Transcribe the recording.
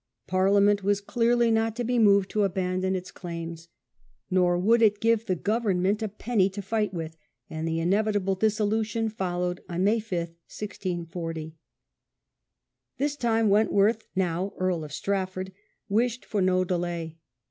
Parliament was clearly not to be moved to abandon its claims. Nor would it give the government a penny to fight with, and the inevitable dissolution followed on May 5, 1640. This time Wentworth, now^ Earl of Strafford, wished for no delay.